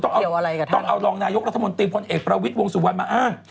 ต้องเอารองนายกรัฐมนตรีพลเอกประวิทย์วงสุวรรณมาอ้าง